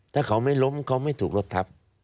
ถ้าเขาไม่ล้มเขาไม่ถูกรถทับ